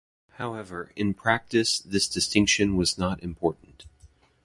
However, in practice this distinction was not important.